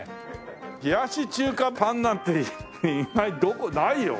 冷やし中華パンなんてないよ。